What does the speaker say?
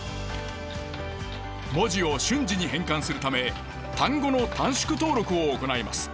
文字を瞬時に変換するため単語の短縮登録を行います。